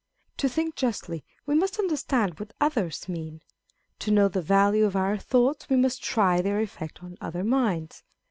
To think justly, we must understand what others mean : to know the value of our thoughts, we must try their effect on other minds.